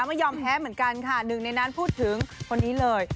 ไม่ยอมแพ้เหมือนกันค่ะหนึ่งในนั้นพูดถึงคนนี้เลย